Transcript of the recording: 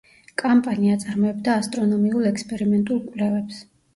კამპანი აწარმოებდა ასტრონომიულ ექსპერიმენტულ კვლევებს.